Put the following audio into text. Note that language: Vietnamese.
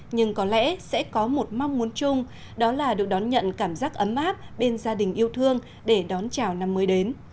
nhưng có lẽ sẽ có một mong muốn chung đó là được đón nhận cảm giác ấm áp bên gia đình yêu thương để đón chào năm mới đến